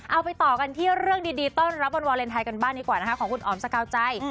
เอาไปต่อกันที่เรื่องดีต้อนรับวันวาเลนไทยกันบ้างดีกว่านะคะของคุณอ๋อมสกาวใจ